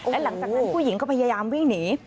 และหลังจากนั้นผู้หญิงก็พยายามวิ่งหนี